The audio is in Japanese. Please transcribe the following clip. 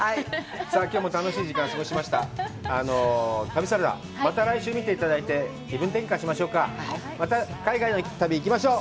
さぁ今日も楽しい時間過ごしました旅サラダまた来週見て頂いて気分転換しまた海外の旅行きましょう